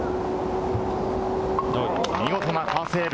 見事なパーセーブ。